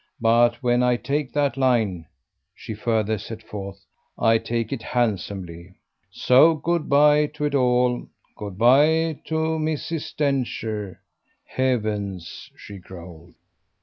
But when I take that line," she further set forth, "I take it handsomely. So good bye to it all. Good day to Mrs. Densher! Heavens!" she growled.